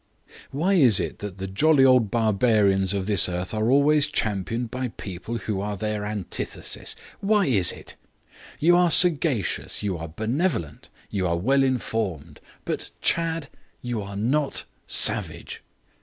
Why is it that the jolly old barbarians of this earth are always championed by people who are their antithesis? Why is it? You are sagacious, you are benevolent, you are well informed, but, Chadd, you are not savage.